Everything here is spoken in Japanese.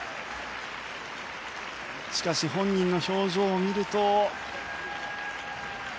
しかし本人の表情を見ると。